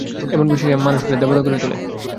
এই বিশ্বাসই আমাদের মানুষ করে, দেবতা করে তোলে।